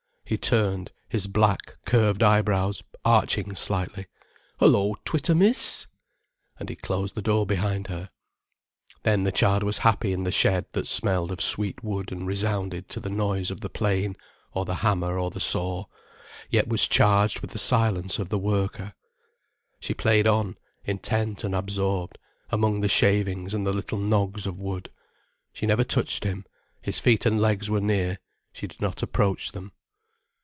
He turned, his black, curved eyebrows arching slightly. "Hullo, Twittermiss!" And he closed the door behind her. Then the child was happy in the shed that smelled of sweet wood and resounded to the noise of the plane or the hammer or the saw, yet was charged with the silence of the worker. She played on, intent and absorbed, among the shavings and the little nogs of wood. She never touched him: his feet and legs were near, she did not approach them.